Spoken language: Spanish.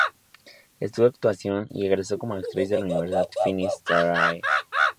Estudió Actuación y egresó como Actriz de la Universidad Finis Terrae.